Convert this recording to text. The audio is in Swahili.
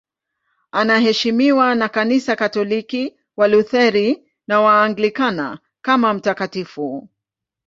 Anaheshimiwa na Kanisa Katoliki, Walutheri na Waanglikana kama mtakatifu.